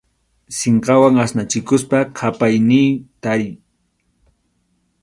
Sinqawan asnachikuspa qʼapaynin tariy.